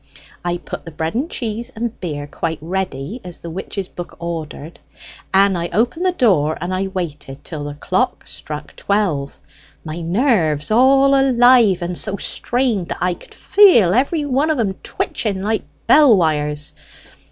I put the bread and cheese and beer quite ready, as the witch's book ordered, and I opened the door, and I waited till the clock struck twelve, my nerves all alive and so strained that I could feel every one of 'em twitching like bell wires.